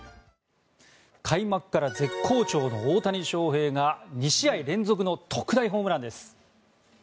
開幕から絶好調の大谷翔平が２試合連続の特大ホームランです。